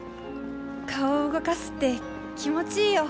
顔動かすって気持ちいいよ。